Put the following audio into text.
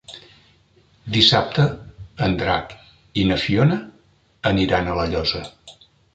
Dissabte en Drac i na Fiona aniran a La Llosa.